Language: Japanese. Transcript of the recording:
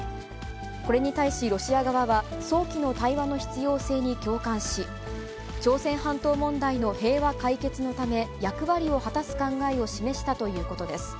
これに対し、ロシア側は、早期の対話の必要性に共感し、朝鮮半島問題の平和解決のため、役割を果たす考えを示したということです。